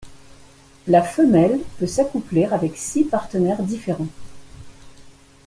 La femelle peut s'accoupler avec six partenaires différents.